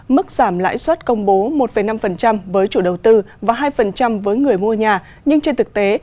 mức giảm lãi suất công bố một năm với chủ đầu tư và hai với người mua nhà nhưng trên thực tế